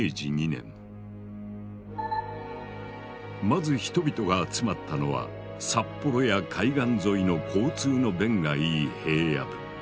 まず人々が集まったのは札幌や海岸沿いの交通の便がいい平野部。